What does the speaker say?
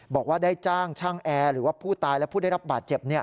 บอกว่าได้จ้างช่างแอร์หรือว่าผู้ตายและผู้ได้รับบาดเจ็บ